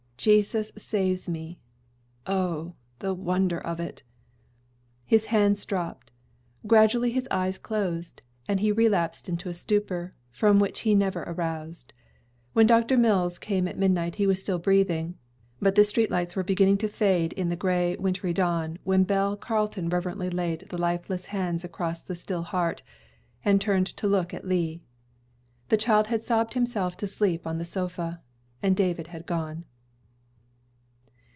"Jesus saves me! O, the wonder of it!" His hands dropped. Gradually his eyes closed, and he relapsed into a stupor, from which he never aroused. When Dr. Mills came at midnight he was still breathing; but the street lights were beginning to fade in the gray, wintry dawn when Belle Carleton reverently laid the lifeless hands across the still heart, and turned to look at Lee. The child had sobbed himself to sleep on the sofa, and David had gone.